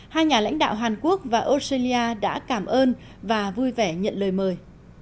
hai nhà lãnh đạo hàn quốc và australia đã cảm ơn và vui vẻ nhận lời mời